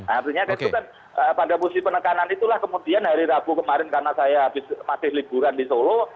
artinya itu kan pada musim penekanan itulah kemudian hari rabu kemarin karena saya masih liburan di solo